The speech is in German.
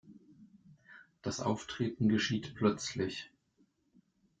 Das Auftreten geschieht plötzlich.